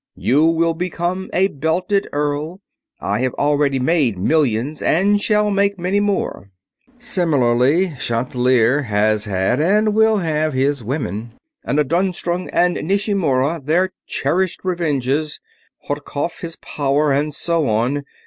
You will become a belted earl. I have already made millions, and shall make many more. Similarly, Chatelier has had and will have his women, Anandrusung and Nishimura their cherished revenges, Hartkopf his power, and so on."